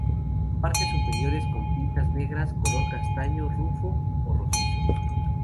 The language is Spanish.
Partes superiores con pintas negras, color castaño rufo o rojizo.